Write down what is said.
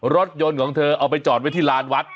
รถยนต์ของเธอเอาไปจอดไว้ที่ลานวัด